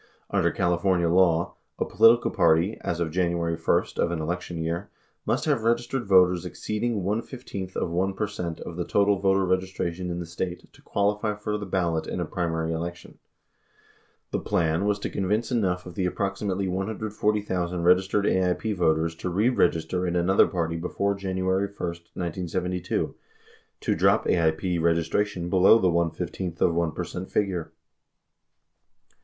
Under California law, 69 a political party, as of January 1 of an election year, must have registered voters exceeding one fifteenth of 1 percent of the total voter registration in the State to qualify for the ballot in a primary election. The plan was to convince enough of the approximately 140,000 registered AIP voters to re register in another party before January 1, 1972, to drop AIP registration below the one fifteenth of 1 percent figure.